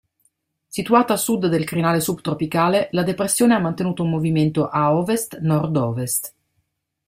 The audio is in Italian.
Situata a sud del crinale subtropicale, la depressione ha mantenuto un movimento a ovest-nord-ovest.